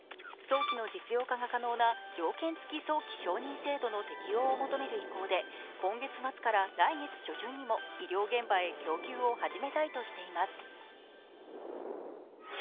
早期の実用化が可能な条件付き早期承認制度を求める意向で今月末から来月初旬にも医療現場へ供給を始めたいとしています。